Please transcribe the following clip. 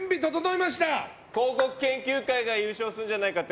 広告研究会が優勝するんじゃないかと。